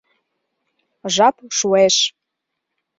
Жап шуэш.